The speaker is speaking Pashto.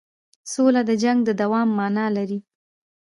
سوله د جنګ د دوام معنی لري.